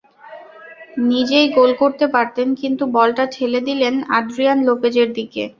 নিজেই গোল করতে পারতেন, কিন্তু বলটা ঠেলে দিলেন আদ্রিয়ান লোপেজের দিকে।